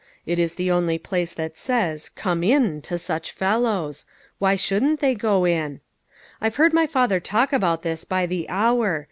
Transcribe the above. It is the only place that says Come in ! to such fellows. Why shouldn't they go in? " I've heard my father talk about this by the hour.